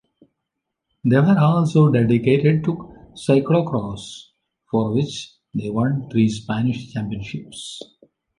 They were also dedicated to cyclo-cross, for which they won three Spanish Championships.